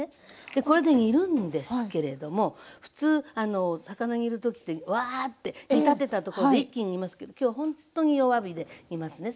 でこれで煮るんですけれども普通魚煮る時ってわあって煮立てたところ一気に煮ますけど今日はほんっとに弱火で煮ますね。